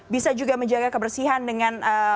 bisa juga menjaga kebersihan dengan